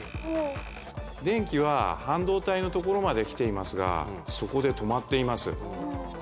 電気は半導体のところまで来ていますがそこで止まっています